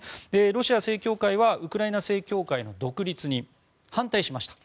ロシア正教会はウクライナ正教会の独立に反対しました。